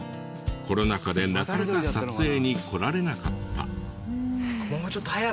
コロナ禍でなかなか撮影に来られなかった。